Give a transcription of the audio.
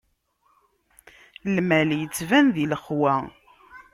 Lmal ittban di lexwa.